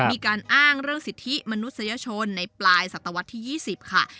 มีการอ้างเรื่องสิทธิมนุษยชนในปลายศตวรรษที่๒๐ค่ะ